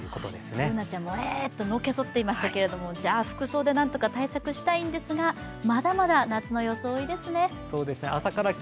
Ｂｏｏｎａちゃんもえっとのけぞっていましたけれども、では、服装でなんとかしのぎたいんですが、まだまだ夏の装いですね。